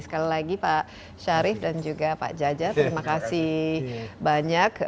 sekali lagi pak syarif dan juga pak jaja terima kasih banyak